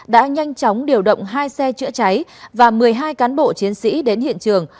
đã nhanh chóng điều động hai xe chữa cháy và một mươi hai cán bộ chiến sĩ đến hiện trường